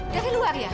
dari luar ya